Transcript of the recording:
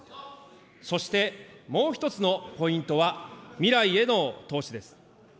そしてもう一つのポイントは未来への投資です。